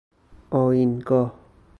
آیین گاه